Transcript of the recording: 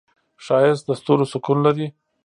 ښایست د ستورو سکون لري